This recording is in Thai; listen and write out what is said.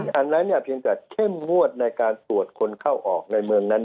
คืออันนั้นเพียงจะเข้มงวดในการตรวจคนเข้าออกในเมืองนั้น